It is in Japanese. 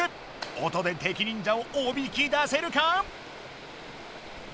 音で敵忍者をおびき出せるか？